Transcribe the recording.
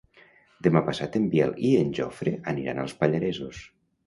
Demà passat en Biel i en Jofre aniran als Pallaresos.